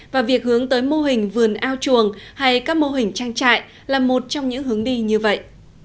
và việc hướng tới mô hình vườn ao chuồng hay các mô hình trang trại là một trong những hướng đi như vậy